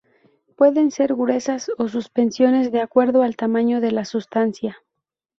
Pueden ser gruesas o suspensiones de acuerdo al tamaño de la sustancia.